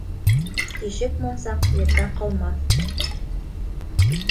Тишек мунсаҡ ерҙә ҡалмаҫ